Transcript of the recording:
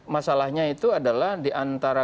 masalahnya itu adalah diantara